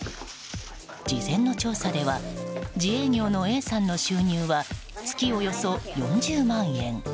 事前の調査では自営業のＡさんの収入は月およそ４０万円。